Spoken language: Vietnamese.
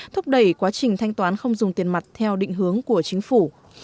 thúc đẩy quá trình thanh toán không dùng tiền mặt theo định hướng của chính phủ